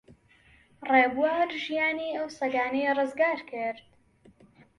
ڕێبوار ژیانی ئەو سەگانەی ڕزگار کرد.